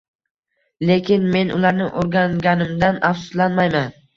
Lekin men ularni o`rganganimdan afsuslanmayman